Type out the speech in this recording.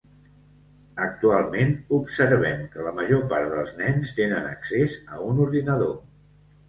Actualment observem que la major part dels nens tenen accés a un ordinador.